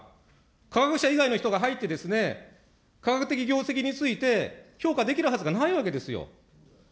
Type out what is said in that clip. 科学者以外の人が入って、科学的業績について評価できるはずがないわけですよ。